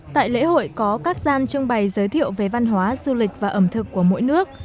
tại lễ hội có các gian trưng bày giới thiệu về văn hóa du lịch và ẩm thực của mỗi nước